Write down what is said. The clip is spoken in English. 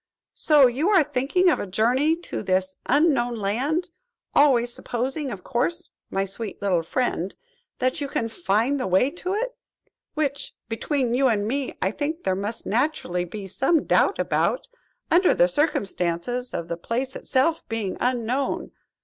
So you are thinking of a journey to this Unknown Land, always supposing, of course, my sweet little friend, that you can find the way to it, which, between you and me, I think there must naturally be some doubt about, under the circumstances of the place itself being unknown!